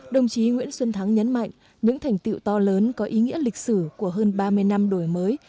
đồng chí nguyễn xuân thắng nhấn mạnh những thành tiệu to lớn có ý nghĩa lịch sử của hơn ba mươi năm đổi mới